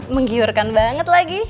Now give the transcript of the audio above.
menggiurkan banget lagi